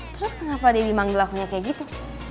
terus kenapa daddy memang belakunya kayak gitu